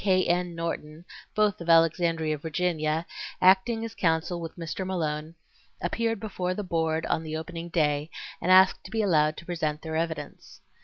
K. N. Norton, both of Alexandria, Virginia, acting as counsel with Mr. Malone, appeared before the Board on the opening day and asked to be allowed to present their evidence.